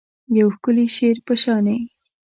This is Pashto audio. د یو ښکلي شعر په شاني